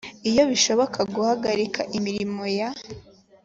iyo bishoboka guhagarika imirimo ya